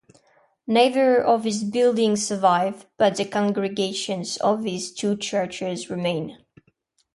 Neither of these buildings survive, but the congregations of these two churches remain.